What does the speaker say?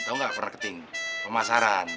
tau gak marketing pemasaran